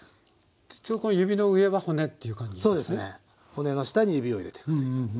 骨の下に指を入れていくという。